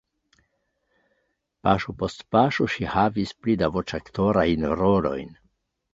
Paŝo post paŝo ŝi havis pli da voĉaktorajn rolojn.